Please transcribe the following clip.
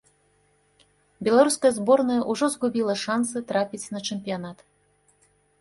Беларуская зборная ужо згубіла шансы трапіць на чэмпіянат.